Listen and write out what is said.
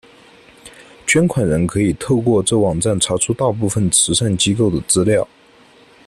捐款人可以透过这网站查出大部份慈善机构的资料。